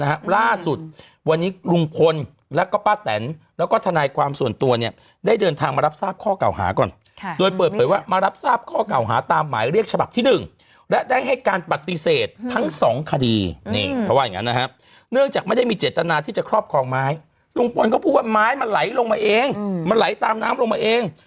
ล่าสุดวันนี้ลุงพลแล้วก็ป้าแตนแล้วก็ทนายความส่วนตัวเนี่ยได้เดินทางมารับทราบข้อเก่าหาก่อนค่ะโดยเปิดเผยว่ามารับทราบข้อเก่าหาตามหมายเรียกฉบับที่หนึ่งและได้ให้การปฏิเสธทั้งสองคดีนี่เขาว่าอย่างงั้นนะฮะเนื่องจากไม่ได้มีเจตนาที่จะครอบครองไม้ลุงพลก็พูดว่าไม้มันไหลลงมาเองมันไหลตามน้ำลงมาเอง